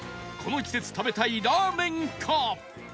この季節食べたいラーメンか？